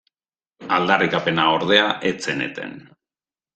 Aldarrikapena, ordea, ez zen eten.